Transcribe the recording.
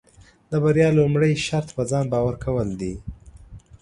د بریا لومړی شرط پۀ ځان باور کول دي.